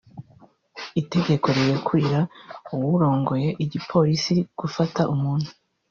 Itegeko rirekurira uwurongoye igipolisi gufata umuntu